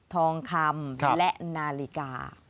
ทองคำและนาฬิกาครับ